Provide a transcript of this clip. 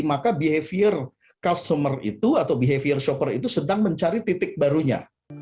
maka behavior customer itu atau behavior shopper itu sedang mencari titik barunya